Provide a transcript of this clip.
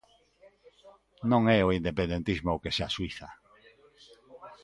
Non é o independentismo o que se axuíza.